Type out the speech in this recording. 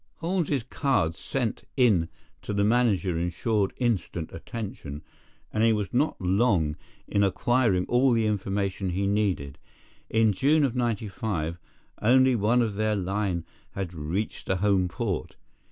Holmes's card sent in to the manager ensured instant attention, and he was not long in acquiring all the information he needed. In June of '95, only one of their line had reached a home port.